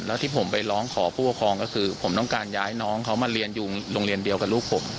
แล้วที่ผมไปร้องขอผู้ปกครองก็คือผมต้องการย้ายน้องเขามาเรียนอยู่โรงเรียนเดียวกับลูกผม